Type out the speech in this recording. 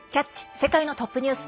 世界のトップニュース」